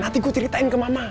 nanti gua kasih tau ke mama deh